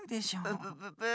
ププププ。